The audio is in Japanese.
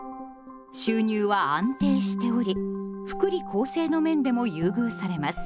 収入は安定しており福利厚生の面でも優遇されます。